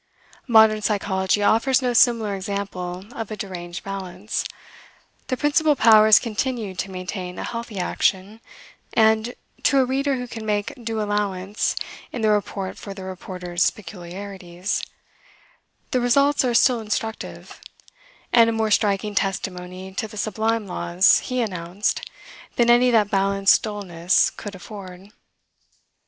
Modern psychology offers no similar example of a deranged balance. The principal powers continued to maintain a healthy action; and, to a reader who can make due allowance in the report for the reporter's peculiarities, the results are still instructive, and a more striking testimony to the sublime laws he announced, than any that balanced dulness could afford.